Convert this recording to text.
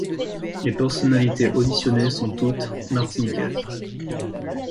Les personnalités auditionnées sont toutes martiniquaises.